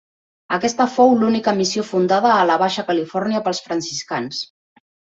Aquesta fou l'única missió fundada a la Baixa Califòrnia pels franciscans.